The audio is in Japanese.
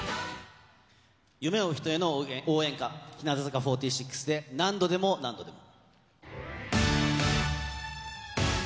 夢を追う人への応援歌、日向坂４６で、何度でも何度でも。